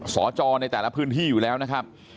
สจในแต่ละพื้นที่อยู่แล้วนะครับ